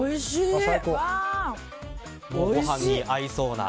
ご飯に合いそうな。